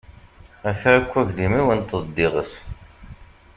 Ata akk uglim-iw, inteḍ-d d iɣes.